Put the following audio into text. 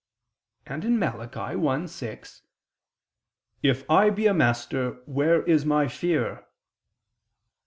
and (Malachi 1:6): "If ... I be a master, where is My fear?"